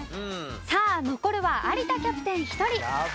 さあ残るは有田キャプテン１人。